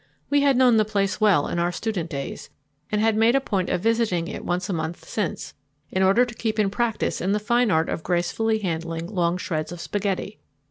We had known the place well in our student days, and had made a point of visiting it once a month since, in order to keep in practice in the fine art of gracefully handling long shreds of spaghetti.